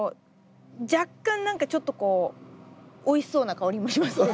若干何かちょっとこうおいしそうな香りもしますね。